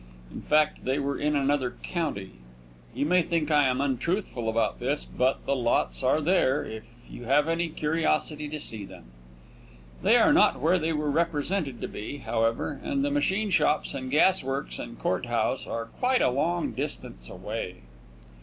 In fact, they were in another county. You may think I am untruthful about this, but the lots are there, if you have any curiosity to see them. They are not where they were represented to be, however, and the machine shops and gas works and court house are quite a long distance away.